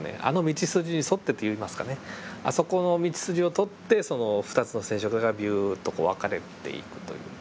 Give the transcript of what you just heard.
道筋に沿ってと言いますかねあそこの道筋をとってその２つの染色体がビュッとこう分かれていくという。